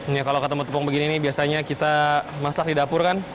nih kalau ketemu tepung begini nih biasanya kita masak di dapur kan